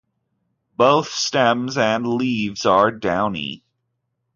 Both stems and leaves are downy.